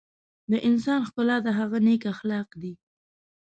د انسان ښکلا د هغه نیک اخلاق دي.